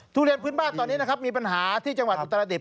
ทุเรียนพื้นบ้านตอนนี้นะครับมีปัญหาที่จังหวัดอุตรดิษ